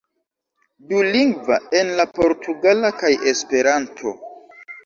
Dulingva, en la portugala kaj Esperanto.